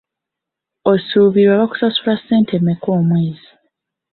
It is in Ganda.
Osuubirwa kusasulwa ssente mmeka omwezi?